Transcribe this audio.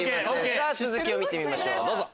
さぁ続きを見てみましょうどうぞ。